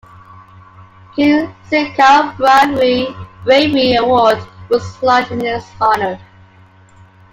King Sigcau Bravery Award was launched in his honour.